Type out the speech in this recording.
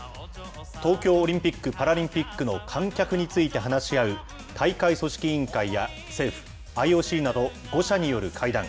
東京オリンピック・パラリンピックの観客について話し合う、大会組織委員会や政府、ＩＯＣなど５者による会談。